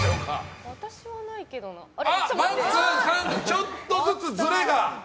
ちょっとずつずれが。